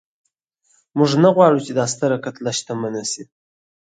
موږ نه غواړو چې دا ستره کتله شتمنه شي.